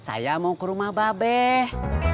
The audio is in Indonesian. aku mau ke rumah babes